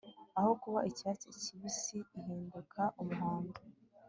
aho kuba icyatsi kibisi ihinduka umuhondo